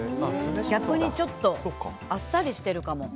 逆にちょっとあっさりしてるかも。